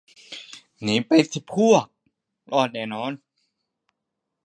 หนีไปพวก สิ รอดแน่นอน